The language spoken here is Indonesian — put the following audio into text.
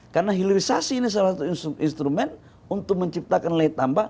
karena hilirisasi ini salah satu instrumen untuk menciptakan nilai tambah